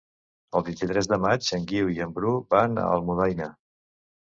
El vint-i-tres de maig en Guiu i en Bru van a Almudaina.